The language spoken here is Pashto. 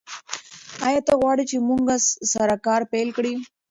ایا ته غواړې چې موږ سره کار پیل کړې؟